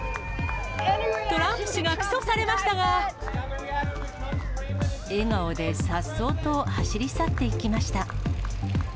トランプ氏が起訴されました笑顔でさっそうと走り去っていきました。